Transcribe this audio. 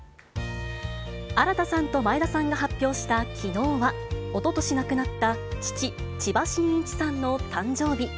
新田さんと眞栄田さんが発表したきのうは、おととし亡くなった父、千葉真一さんの誕生日。